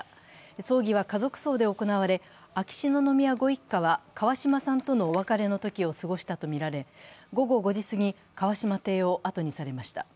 葬儀は家族葬で行われ、秋篠宮ご一家は、川嶋さんとのお別れの時を過ごしたとみられ午後５時すぎ、川嶋邸を後にされました。